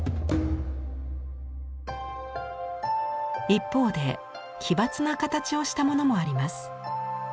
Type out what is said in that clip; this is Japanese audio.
一方で奇抜な形をしたものもあります。